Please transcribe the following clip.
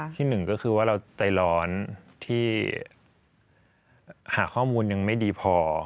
ที่หนึ่งก็คือว่าเราใจร้อนที่หาข้อมูลยังไม่ดีพอ